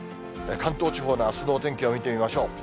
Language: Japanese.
関東地方のあすのお天気を見てみましょう。